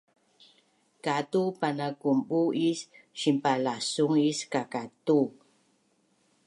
katu panakumbu’ is sinpalasung is kakatu